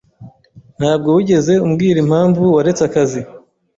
Ntabwo wigeze umbwira impamvu waretse akazi.